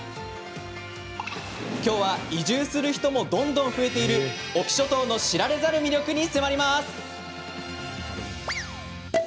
きょうは、移住する人もどんどん増えている隠岐諸島の知られざる魅力に迫ります。